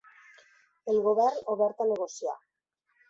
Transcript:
El govern, ‘obert a negociar’